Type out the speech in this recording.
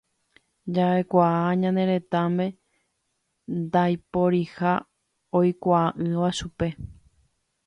Jaʼekuaa ñane retãme ndaiporiha oikuaaʼỹva chupe.